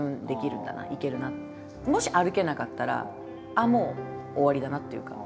もし歩けなかったらもう終わりだなっていうか。